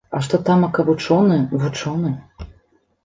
А што тамака вучоны, вучоны!